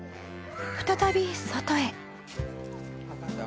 再び外へ。